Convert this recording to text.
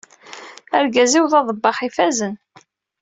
Argaz-iw d aḍebbax ifazen.